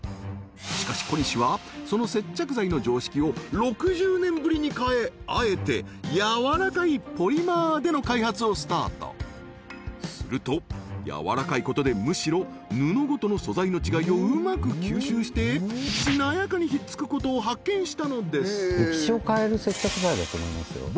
しかしコニシはその接着剤の常識を６０年ぶりに変えあえて柔らかいポリマーでの開発をスタートすると柔らかいことでむしろ布ごとの素材の違いをうまく吸収してしなやかにひっつくことを発見したのです